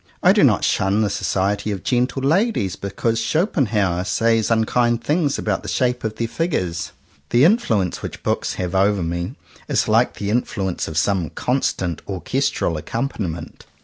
I do not shun the society of gentle ladies because Schopenhauer says unkind things about the shape of their figures. The influence which books have over me, is like the influence of some constant orches tral accompaniment.